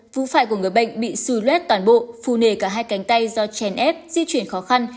vu phải của người bệnh bị suy lét toàn bộ phù nề cả hai cánh tay do chèn ép di chuyển khó khăn